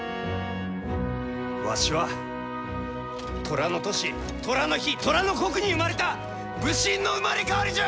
わしは寅の年寅の日寅の刻に生まれた武神の生まれ変わりじゃ！